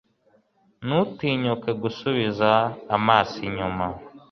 ntutinyuke gusubiza amaso inyuma